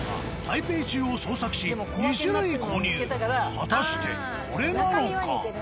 果たしてこれなのか？